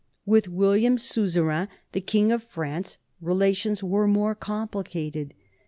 With William's suzerain, the king of France, rela tions were more complicated.